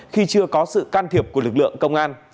khi chưa có sự can thiệp của lực lượng công an